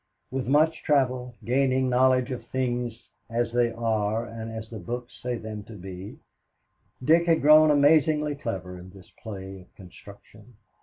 With much travel, gaining knowledge of things as they are and as the books say them to be, Dick had grown amazingly clever in this play of construction.